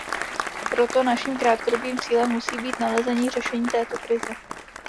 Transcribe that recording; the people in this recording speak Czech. Proto naším krátkodobým cílem musí být nalezení řešení této krize.